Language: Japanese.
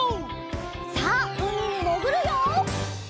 さあうみにもぐるよ！